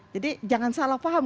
jadi jangan salah faham